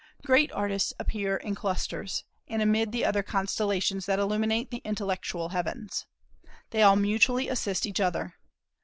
Great artists appear in clusters, and amid the other constellations that illuminate the intellectual heavens. They all mutually assist each other.